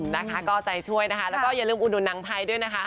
นะคะก็ใจช่วยนะคะแล้วก็อย่าลืมอุดหนุนหนังไทยด้วยนะคะ